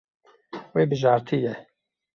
Wê bijartiye.